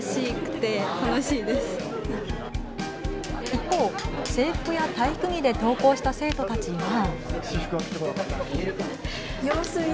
一方、制服や体育着で登校した生徒たちは。